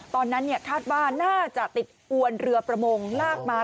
ตอนนั้นคาดว่าน่าจะติดอวนเรือประมงลากมา